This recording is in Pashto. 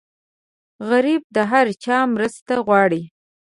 غریب د هر چا مرسته غواړي